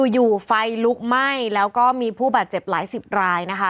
อยู่ไฟลุกไหม้แล้วก็มีผู้บาดเจ็บหลายสิบรายนะคะ